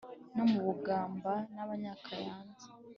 no mu bugamba n’abanyakayanza